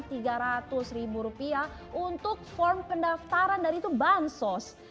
kenapa malah minta bayaran tiga ratus rupiah untuk form pendaftaran dari itu bansos